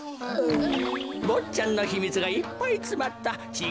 ぼっちゃんのひみつがいっぱいつまったちぃ